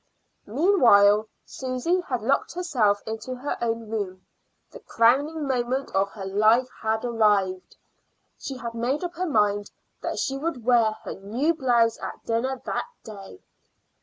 Meanwhile Susy had locked herself into her own room. The crowning moment of her life had arrived. She had made up her mind that she would wear her new blouse at dinner that day.